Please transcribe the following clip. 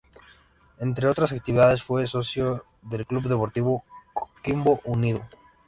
Entre otras actividades, fue socio del Club Deportivo Coquimbo Unido.